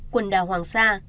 quần đảo hoàng sa